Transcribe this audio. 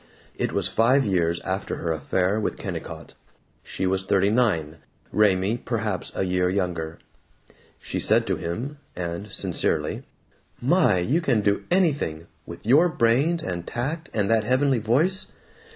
It was five years after her affair with Kennicott. She was thirty nine, Raymie perhaps a year younger. She said to him, and sincerely, "My! You can do anything, with your brains and tact and that heavenly voice.